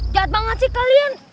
jahat banget sih kalian